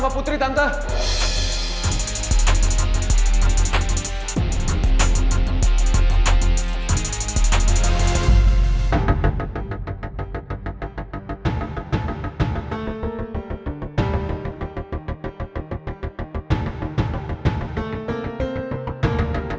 tante nawang yang keliatan